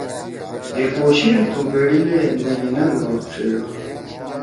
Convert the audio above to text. ہے کوشیر تھو بیڈیل نہ نیگھینہ دو ڇھیِڙا۔